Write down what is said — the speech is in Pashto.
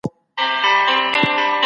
ډیپلوماتانو د خبرو لار غوره کړې وه.